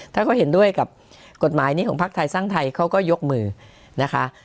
ถ้าเขาเห็นด้วยกับกฎหมายนี้ของพักไทยสร้างไทยเขาก็ยกมือนะคะ